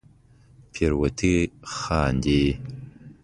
پیروتې خاندې